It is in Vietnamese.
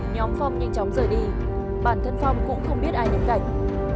nhóm phong nhanh chóng rời đi bản thân phong cũng không biết ai ném gạch